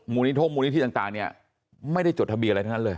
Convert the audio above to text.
นิท่งมูลนิธิต่างเนี่ยไม่ได้จดทะเบียนอะไรทั้งนั้นเลย